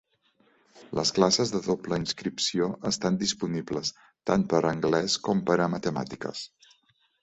Les classes de doble inscripció estan disponibles tant per anglès com per a matemàtiques.